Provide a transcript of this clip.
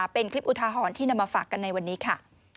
เป็นคลิปอุทาหรณ์ที่นำมาฝากกันในวันนี้ค่ะ